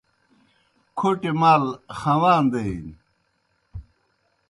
کھوٹیْ مال خواندے نیْ